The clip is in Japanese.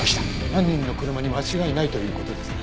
犯人の車に間違いないという事ですね？